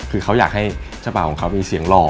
คือเขาอยากให้เจ้าบ่าวของเขามีเสียงหล่อ